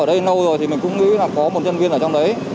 ở đây lâu rồi thì mình cũng nghĩ là có một nhân viên ở trong đấy